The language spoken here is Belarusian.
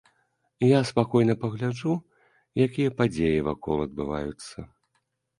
Я спакойна пагляджу, якія падзеі вакол адбываюцца.